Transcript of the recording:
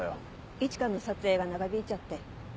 一花の撮影が長引いちゃって。